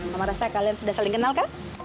nama rasa kalian sudah saling kenal kan